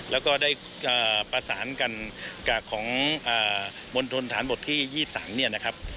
แล้วก็ได้ประสานกันจากของมณฑนฐานบทที่๒๓เนี่ยนะครับ